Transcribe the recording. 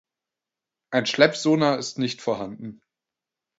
Ein Schleppsonar ist nicht vorhanden.